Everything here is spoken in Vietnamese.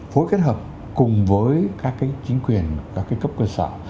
phối kết hợp cùng với các chính quyền các cấp cơ sở